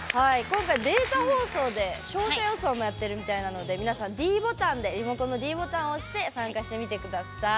今回データ放送で勝者予想もやってるみたいなので皆さんｄボタンでリモコンのｄボタンを押して参加してみて下さい。